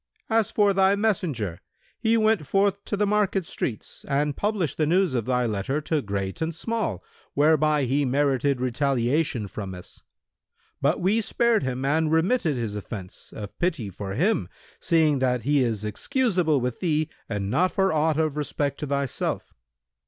As for thy messenger, he went forth to the market streets and published the news of thy letter to great and small, whereby he merited retaliation from us; but we spared him and remitted his offence, of pity for him, seeing that he is excusable with thee and not for aught of respect to thyself.